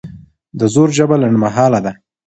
د زور ژبه لنډمهاله ده